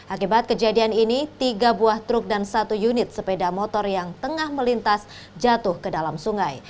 akibat kejadian ini tiga buah truk dan satu unit sepeda motor yang tengah melintas jatuh ke dalam sungai